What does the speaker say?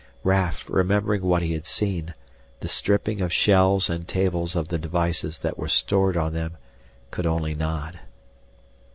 Raf, remembering what he had seen the stripping of shelves and tables of the devices that were stored on them could only nod.